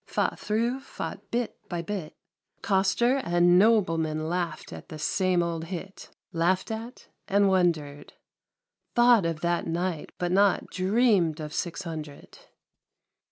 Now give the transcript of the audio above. Fought thro', fought bit by bit ! Coster and Nobleman Laughed at the same old hit, Laughed at, and wondered, Thought of that night, but not Dreamed of Six Hundred